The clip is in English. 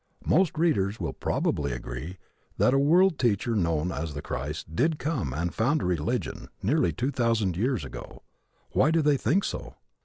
Most readers will probably agree that a World Teacher known as the Christ did come and found a religion nearly two thousand years ago. Why do they think so?